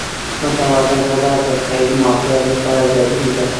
متوازن غذا د قوي معافیت لپاره ضروري ده.